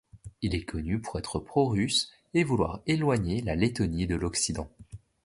Il est connu pour être pro-russe, et vouloir éloigner la Lettonie de l'Occident.